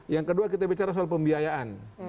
yang kedua kita bicara soal pembiayaan